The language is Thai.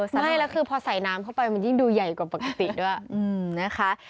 ใช่แล้วคือพอใส่น้ำเข้าไปมันยิ่งดูใหญ่กว่าปกติด้วยนะคะ